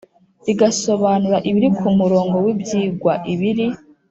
rigasobanura ibiri ku murongo w ibyigwa Ibiri